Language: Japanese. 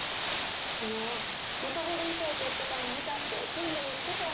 昨日ネカフェでイチャイチャしてたの見たって健が言ってたよ。